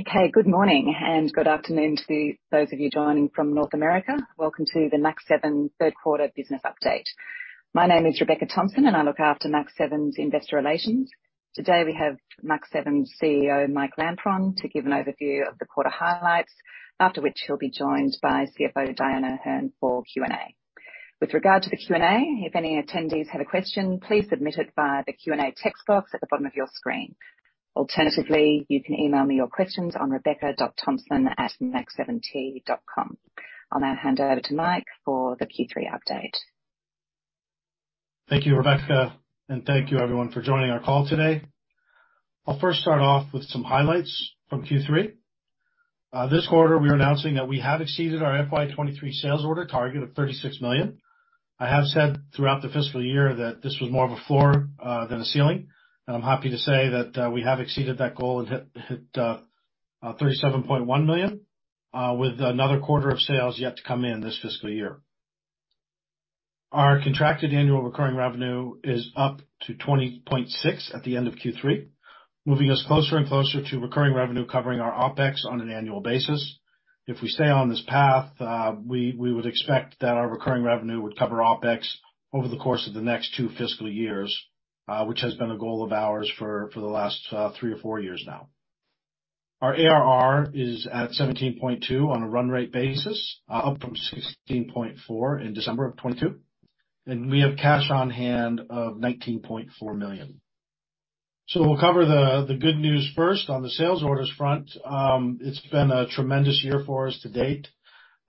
Okay. Good morning, good afternoon to those of you joining from North America. Welcome to the Mach7 third quarter business update. My name is Rebecca Thompson, I look after Mach7's investor relations. Today, we have Mach7's CEO, Mike Lampron, to give an overview of the quarter highlights, after which he'll be joined by CFO Dyan O'Herne for Q&A. With regard to the Q&A, if any attendees have a question, please submit it via the Q&A text box at the bottom of your screen. Alternatively, you can email me your questions on rebecca.thompson@mach7t.com. I'll now hand over to Mike for the Q3 update. Thank you, Rebecca. Thank you everyone for joining our call today. I'll first start off with some highlights from Q3. This quarter we are announcing that we have exceeded our FY23 sales order target of 36 million. I have said throughout the fiscal year that this was more of a floor than a ceiling, and I'm happy to say that we have exceeded that goal and hit 37.1 million with another quarter of sales yet to come in this fiscal year. Our contracted annual recurring revenue is up to 20.6 at the end of Q3, moving us closer and closer to recurring revenue, covering our OPEX on an annual basis. If we stay on this path, we would expect that our recurring revenue would cover OPEX over the course of the next two fiscal years, which has been a goal of ours for the last three or four years now. Our ARR is at 17.2 million on a run rate basis, up from 16.4 million in December 2022. We have cash on-hand of 19.4 million. We'll cover the good news first. On the sales orders front, it's been a tremendous year for us to date.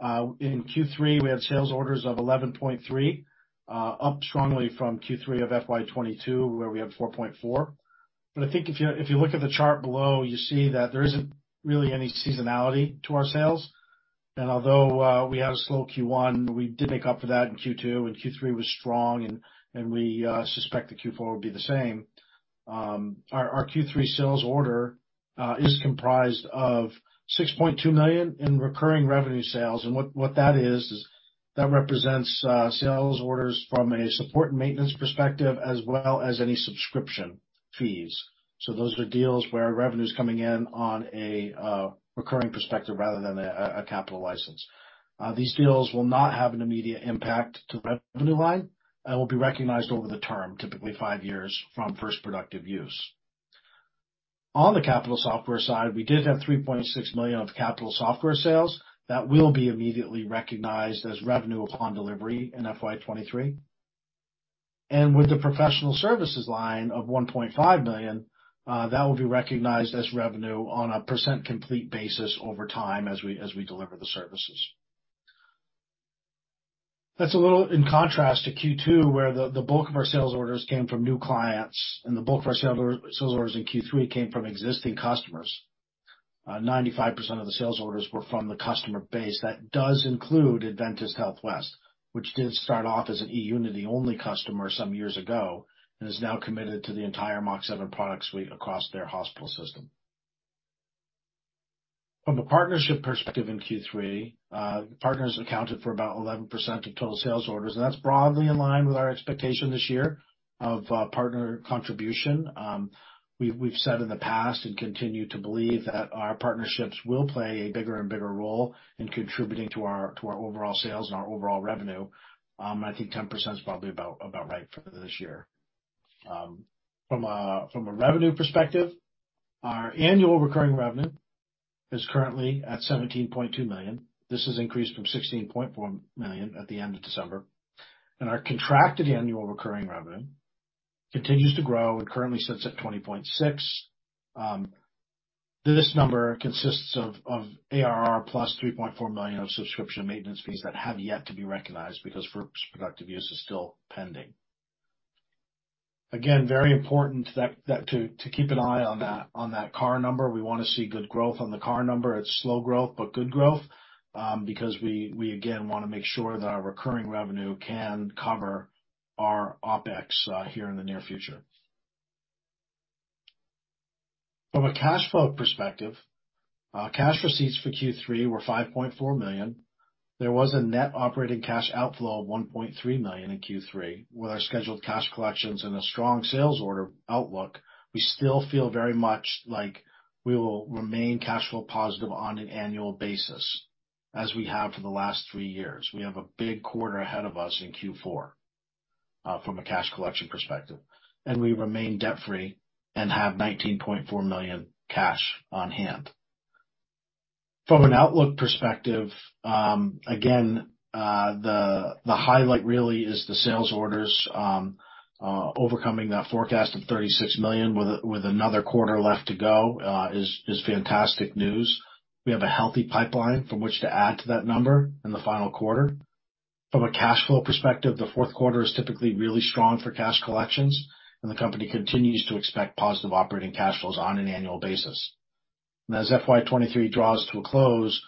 In Q3, we had sales orders of 11.3 million, up strongly from Q3 of FY22, where we had 4.4 million. I think if you look at the chart below, you see that there isn't really any seasonality to our sales. Although we had a slow Q1, we did make up for that in Q2, and Q3 was strong and we suspect the Q4 will be the same. Our Q3 sales order is comprised of 6.2 million in recurring revenue sales. What that is that represents sales orders from a support and maintenance perspective as well as any subscription fees. Those are deals where revenue's coming in on a recurring perspective rather than a capital license. These deals will not have an immediate impact to the revenue line and will be recognized over the term, typically five years from first productive use. On the capital software side, we did have 3.6 million of capital software sales that will be immediately recognized as revenue upon delivery in FY23. With the professional services line of 1.5 million, that will be recognized as revenue on a percent complete basis over time as we deliver the services. That's a little in contrast to Q2, where the bulk of our sales orders came from new clients and the bulk of our sales orders in Q3 came from existing customers. 95% of the sales orders were from the customer base. That does include Adventist Health West, which did start off as an eUnity, the only customer some years ago, and is now committed to the entire Mach7 product suite across their hospital system. From a partnership perspective in Q3, partners accounted for about 11% of total sales orders, and that's broadly in line with our expectation this year of partner contribution. We've said in the past, and continue to believe, that our partnerships will play a bigger and bigger role in contributing to our overall sales and our overall revenue. I think 10% is probably about right for this year. From a revenue perspective, our annual recurring revenue is currently at 17.2 million. This has increased from 16.4 million at the end of December. Our contracted annual recurring revenue continues to grow and currently sits at 20.6 million. This number consists of ARR plus 3.4 million of subscription maintenance fees that have yet to be recognized because first productive use is still pending. Very important to keep an eye on that CARR number. We wanna see good growth on the CARR number. It's slow growth, but good growth, because we again wanna make sure that our recurring revenue can cover our OPEX here in the near future. From a cash flow perspective, cash receipts for Q3 were 5.4 million. There was a net operating cash outflow of 1.3 million in Q3. With our scheduled cash collections and a strong sales order outlook, we still feel very much like we will remain cash flow positive on an annual basis, as we have for the last three years. We have a big quarter ahead of us in Q4 from a cash collection perspective, and we remain debt-free and have 19.4 million cash on-hand. From an outlook perspective, again, the highlight really is the sales orders. Overcoming that forecast of 36 million with another quarter left to go, is fantastic news. We have a healthy pipeline from which to add to that number in the final quarter. From a cash flow perspective, the fourth quarter is typically really strong for cash collections and the company continues to expect positive operating cash flows on an annual basis. As FY23 draws to a close,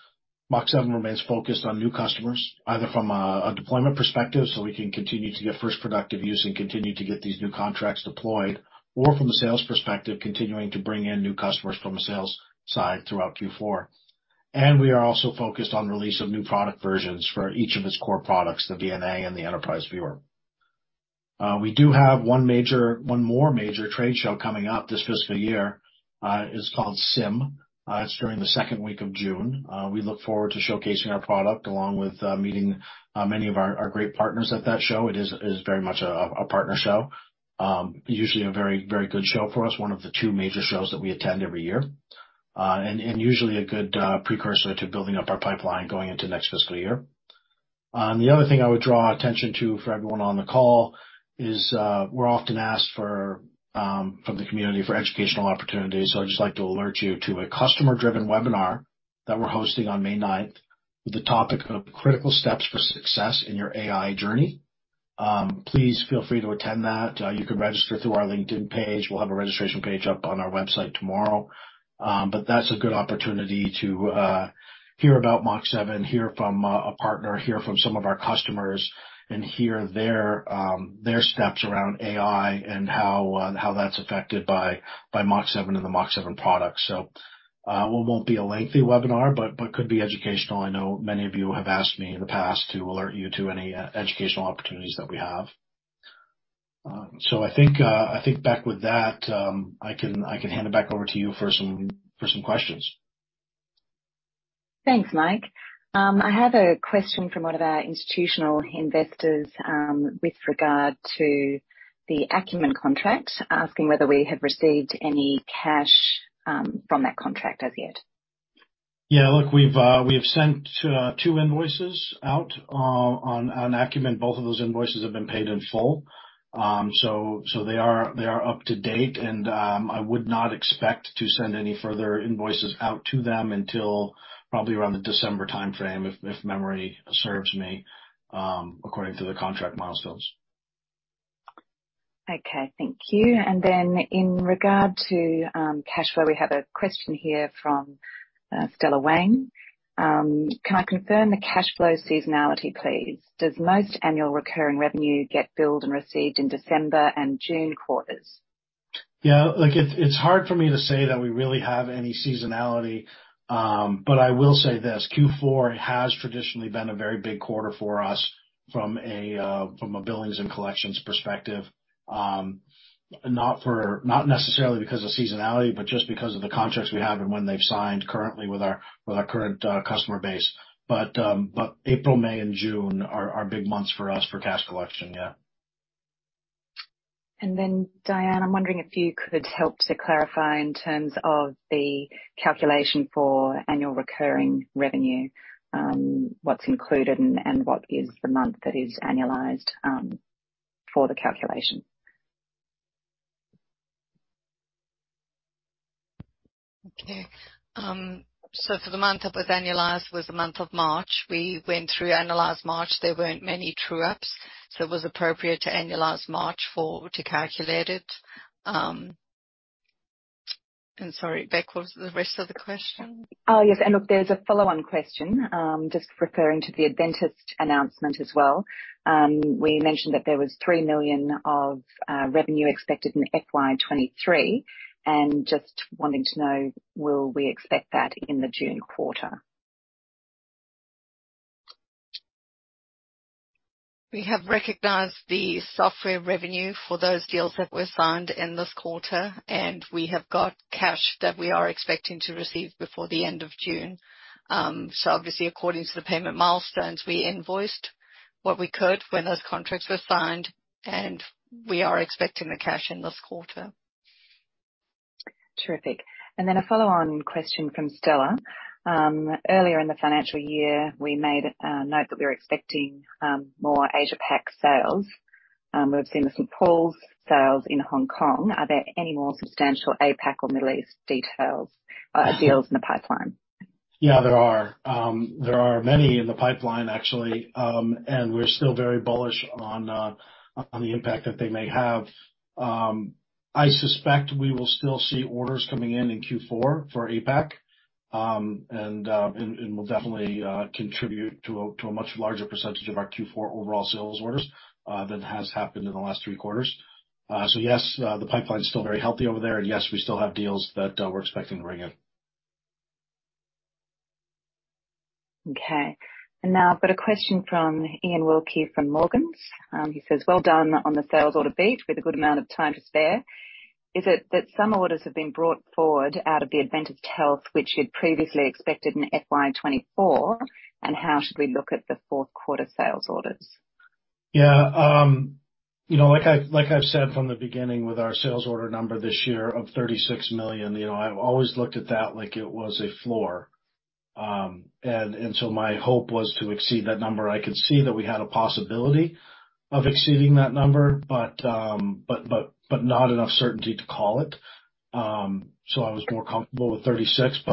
Mach7 remains focused on new customers, either from a deployment perspective, so we can continue to get first productive use and continue to get these new contracts deployed. Or from a sales perspective, continuing to bring in new customers from a sales side throughout Q4. We are also focused on release of new product versions for each of its core products, the VNA and the Enterprise Viewer. We do have one more major trade show coming up this fiscal year, is called SIIM. It's during the second week of June. We look forward to showcasing our product along with meeting many of our great partners at that show. It is very much a partner show. Usually a very good show for us, one of the two major shows that we attend every year. Usually a good precursor to building up our pipeline going into next fiscal year. The other thing I would draw attention to for everyone on the call is, we're often asked for from the community for educational opportunities. I'd just like to alert you to a customer-driven webinar that we're hosting on May ninth, with the topic of Critical Steps for Success in Your AI Journey. Please feel free to attend that. You can register through our LinkedIn page. We'll have a registration page up on our website tomorrow. But that's a good opportunity to hear about Mach7, hear from a partner, hear from some of our customers, and hear their steps around AI and how that's affected by Mach7 and the Mach7 product. It won't be a lengthy webinar, but could be educational. I know many of you have asked me in the past to alert you to any e-educational opportunities that we have. I think back with that, I can hand it back over to you for some questions. Thanks, Mike. I have a question from one of our institutional investors, with regard to the Akumin contract. Asking whether we have received any cash from that contract as yet. Yeah. Look, we've sent two invoices out on Akumin. Both of those invoices have been paid in full. They are up to date and I would not expect to send any further invoices out to them until probably around the December timeframe, if memory serves me, according to the contract milestones. Okay. Thank you. In regard to, cash flow, we have a question here from, Stella Wang. Can I confirm the cash flow seasonality, please? Does most annual recurring revenue get billed and received in December and June quarters? Yeah. Look, it's hard for me to say that we really have any seasonality. I will say this, Q4 has traditionally been a very big quarter for us from a billings and collections perspective. Not necessarily because of seasonality, but just because of the contracts we have and when they've signed currently with our current customer base. April, May, and June are big months for us for cash collection. Yeah. Dyan, I'm wondering if you could help to clarify in terms of the calculation for annual recurring revenue, what's included and what is the month that is annualized for the calculation? Okay. For the month that was annualized was the month of March. We went through, annualized March. There weren't many true ups, so it was appropriate to annualize March to calculate it. Sorry, back, what was the rest of the question? Oh, yes. Look, there's a follow-on question, just referring to the Adventist announcement as well. We mentioned that there was 3 million of revenue expected in FY23, and just wanting to know, will we expect that in the June quarter? We have recognized the software revenue for those deals that were signed in this quarter, and we have got cash that we are expecting to receive before the end of June. Obviously according to the payment milestones, we invoiced what we could when those contracts were signed, and we are expecting the cash in this quarter. Terrific. A follow-on question from Stella. Earlier in the financial year, we made a note that we're expecting more Asia Pac sales. We've seen the St. Paul's sales in Hong Kong. Are there any more substantial APAC or Middle East details, deals in the pipeline? Yeah, there are. There are many in the pipeline actually. We're still very bullish on the impact that they may have. I suspect we will still see orders coming in in Q4 for APAC, and will definitely contribute to a much larger percentage of our Q4 overall sales orders than has happened in the last three quarters. Yes, the pipeline is still very healthy over there. Yes, we still have deals that we're expecting to bring in. Okay. Now I've got a question from Iain Wilkie from Morgans. He says, "Well done on the sales order beat with a good amount of time to spare. Is it that some orders have been brought forward out of the Adventist Health, which you'd previously expected in FY24? How should we look at the fourth quarter sales orders? Yeah. You know, like I've said from the beginning with our sales order number this year of 36 million, you know, I've always looked at that like it was a floor. My hope was to exceed that number. I could see that we had a possibility of exceeding that number, but not enough certainty to call it. I was more comfortable with 36.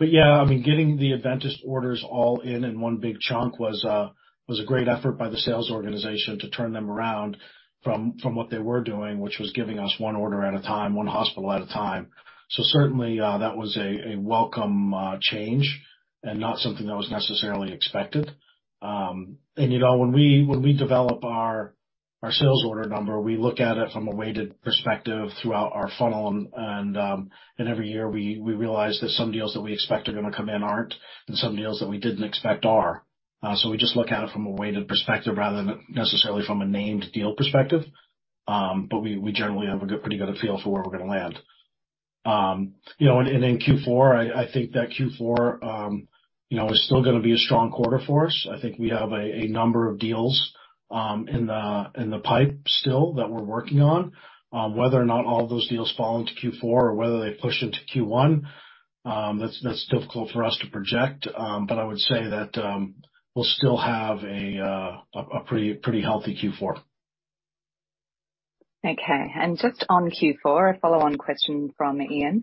Yeah, I mean, getting the Adventist orders all in in one big chunk was a great effort by the sales organization to turn them around from what they were doing, which was giving us one order at a time, one hospital at a time. Certainly, that was a welcome change and not something that was necessarily expected. You know, when we, when we develop our sales order number, we look at it from a weighted perspective throughout our funnel and every year we realize that some deals that we expect are gonna come in aren't, and some deals that we didn't expect are. We just look at it from a weighted perspective rather than necessarily from a named deal perspective. We generally have a good, pretty good feel for where we're gonna land. You know, and, in Q4, I think that Q4, you know, is still gonna be a strong quarter for us. I think we have a number of deals, in the, in the pipe still that we're working on. Whether or not all of those deals fall into Q4 or whether they push into Q1, that's difficult for us to project. I would say that, we'll still have a pretty healthy Q4. Okay. Just on Q4, a follow-on question from Ian.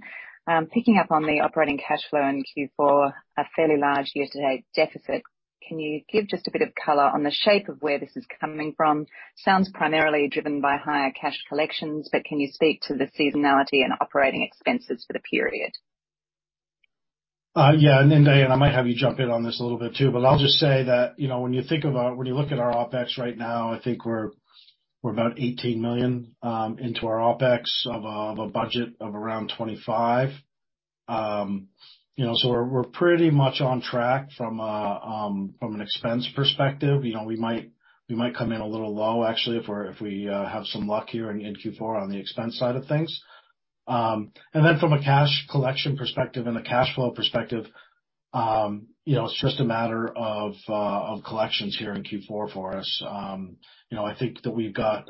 Picking up on the operating cash flow in Q4, a fairly large year-to-date deficit. Can you give just a bit of color on the shape of where this is coming from? Sounds primarily driven by higher cash collections, but can you speak to the seasonality and operating expenses for the period? Yeah, Dyan, I might have you jump in on this a little bit too, but I'll just say that, you know, when you look at our OpEx right now, I think we're about 18 million into our OpEx of a budget of around 25 million. You know, we're pretty much on track from an expense perspective. You know, we might come in a little low, actually, if we're, if we have some luck here in Q4 on the expense side of things. From a cash collection perspective and a cash flow perspective, you know, it's just a matter of collections here in Q4 for us. You know, I think that we've got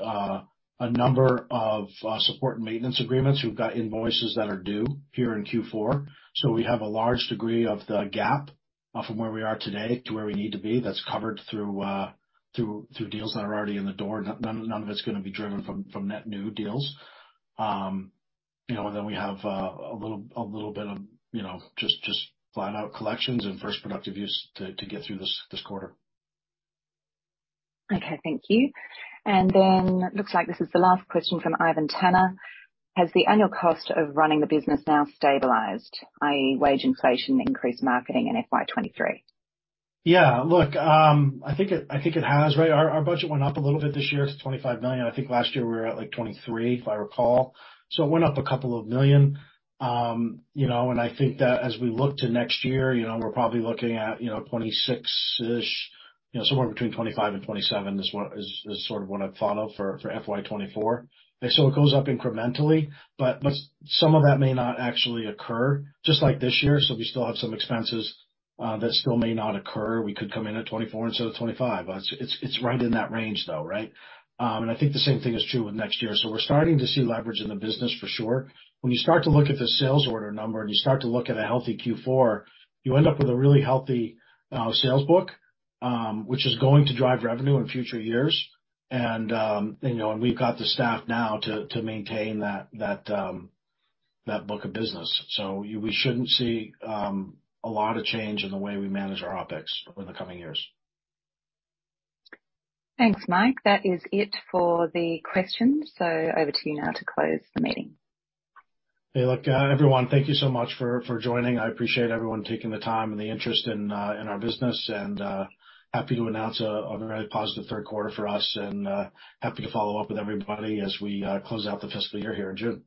a number of support and maintenance agreements. We've got invoices that are due here in Q4. We have a large degree of the gap from where we are today to where we need to be that's covered through deals that are already in the door. None of it's gonna be driven from net new deals. You know, we have a little bit of, you know, just flat-out collections and first productive use to get through this quarter. Okay, thank you. Looks like this is the last question from Ivan Tanner. Has the annual cost of running the business now stabilized, i.e., wage inflation, increased marketing in FY23? Yeah. Look, I think it, I think it has, right? Our, our budget went up a little bit this year. It's 25 million. I think last year we were at, like, 23 million, if I recall. It went up a couple of million. You know, I think that as we look to next year, you know, we're probably looking at, you know, 26 million-ish, you know, somewhere between 25 million and 27 million is what sort of what I'd follow for FY24. It goes up incrementally, but some of that may not actually occur just like this year, so we still have some expenses that still may not occur. We could come in at 24 million instead of 25 million. It's right in that range though, right? I think the same thing is true with next year. We're starting to see leverage in the business for sure. When you start to look at the sales order number and you start to look at a healthy Q4, you end up with a really healthy, sales book, which is going to drive revenue in future years. You know, and we've got the staff now to maintain that book of business. We shouldn't see a lot of change in the way we manage our OpEx over the coming years. Thanks, Mike. That is it for the questions. Over to you now to close the meeting. Hey, look, everyone, thank you so much for joining. I appreciate everyone taking the time and the interest in our business. Happy to announce a very positive third quarter for us and happy to follow up with everybody as we close out the fiscal year here in June.